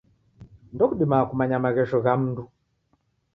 Ndokudimaa kumanya maghesho gha mundu.